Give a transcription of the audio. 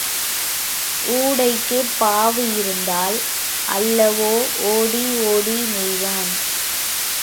ஊடைக்குப் பாவு இருந்தால் அல்லவோ ஓடி ஓடி நெய்வான்?